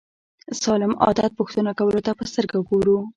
سالم عادت پوښتنه کولو ته په سترګه وګورو.